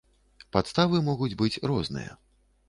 Падставы могуць быць розныя.